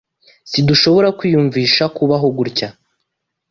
Sidushobora kwiyumvisha kubaho gutya.